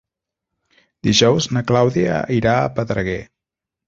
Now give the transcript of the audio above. Dijous na Clàudia irà a Pedreguer.